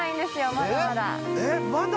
まだまだ。